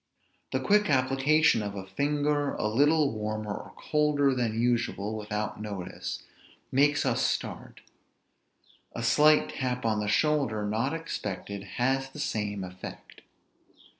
The quick application of a finger a little warmer or colder than usual, without notice, makes us start; a slight tap on the shoulder, not expected, has the same effect.